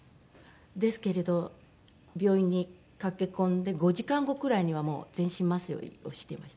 ですけれど病院に駆け込んで５時間後くらいにはもう全身麻酔をしてました。